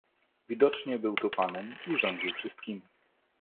"Widocznie był tu panem i rządził wszystkimi."